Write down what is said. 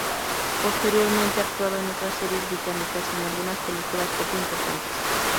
Posteriormente ha actuado en otras series británicas y en algunas películas poco importantes.